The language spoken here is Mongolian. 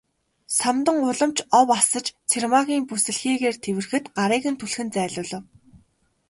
Самдан улам ч ов асаж Цэрэгмаагийн бүсэлхийгээр тэврэхэд гарыг нь түлхэн зайлуулав.